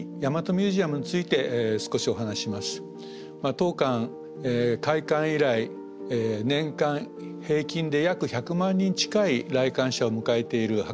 当館開館以来年間平均で約１００万人近い来館者を迎えている博物館です。